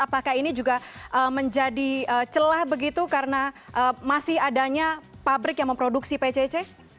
apakah ini juga menjadi celah begitu karena masih adanya pabrik yang memproduksi pcc